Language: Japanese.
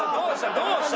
どうした？